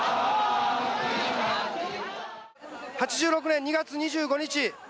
８６年２月２５日。